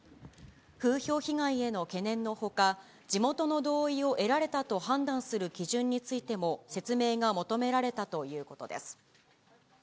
風評被害への懸念のほか、地元の同意を得られたと判断する基準についても、説明が求められたということです。